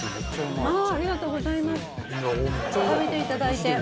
食べていただいて。